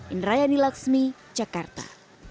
indra yani lakshmi jakarta